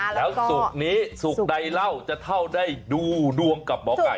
แล้วสุขนี้สุขใดเหล้าจะเท่าได้ดูดวงกับหมอก่าย